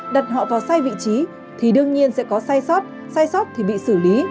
đặt họ vào sai vị trí thì đương nhiên sẽ có sai sót sai sót thì bị xử lý